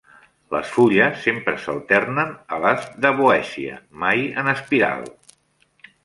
Les fulles sempre s'alternen a les "Daboecia", mai en espiral.